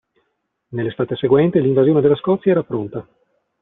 Nell'estate seguente l'invasione della Scozia era pronta.